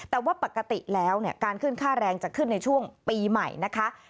แต่ว่าปกติแล้วการขึ้นค่าแรงจะขึ้นในช่วงปีใหม่นะคะ